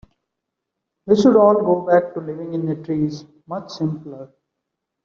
We should all go back to living in the trees, much simpler.